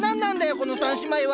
この３姉妹は！